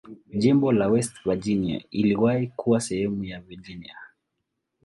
Jimbo la West Virginia iliwahi kuwa sehemu ya Virginia.